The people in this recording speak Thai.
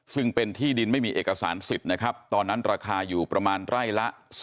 ซึ่งเป็นที่ดินไม่มีเอกสารสิทธิ์นะครับตอนนั้นราคาอยู่ประมาณไร่ละ